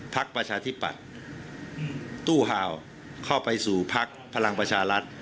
ประชาธิปัตย์ตู้ห่าวเข้าไปสู่พักพลังประชารัฐ